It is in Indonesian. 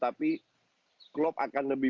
tapi kita yang mampu